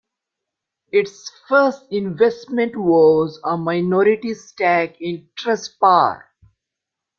Its first investment was a minority stake in Trustpower.